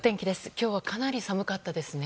今日はかなり寒かったですね。